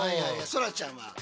そらちゃんは？